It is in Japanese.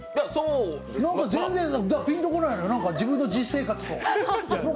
全然ピンとこないのよ、自分の実生活と。